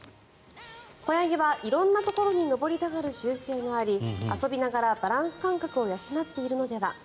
子ヤギは色んなところに登りたがる習性があり遊びながらバランス感覚を養っているのでは。